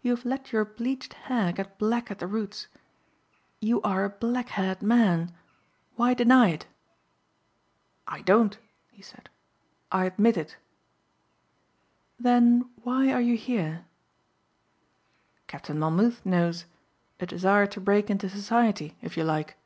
"You have let your bleached hair get black at the roots. You are a blackhaired man. Why deny it?" "I don't," he said. "I admit it." "Then why are you here?" "Captain Monmouth knows. A desire to break into society if you like."